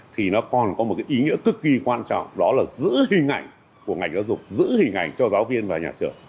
thì nó còn có một ý nghĩa cực kỳ quan trọng đó là giữ hình ảnh của ngành giáo dục giữ hình ảnh cho giáo viên và nhà trường